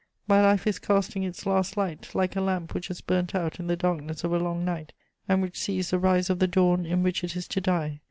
My life is casting its last light, like a lamp which has burnt out in the darkness of a long night, and which sees the rise of the dawn in which it is to die.